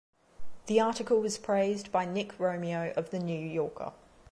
The article was praised by Nick Romeo of "The New Yorker".